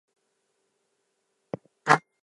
The prefectural capital is Korla.